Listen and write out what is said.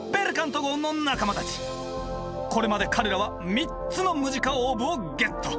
これまで彼らは３つのムジカオーブをゲット。